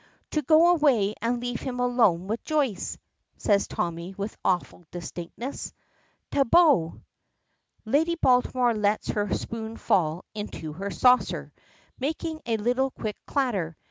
"To go away and leave him alone with Joyce," says Tommy, with awful distinctness. Tableau! Lady Baltimore lets her spoon fall into her saucer, making a little quick clatter.